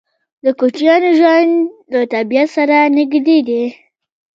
د کوچیانو ژوند له طبیعت سره نږدې دی.